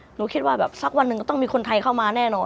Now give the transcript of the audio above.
หนูคิดว่าแบบสักวันหนึ่งก็ต้องมีคนไทยเข้ามาแน่นอน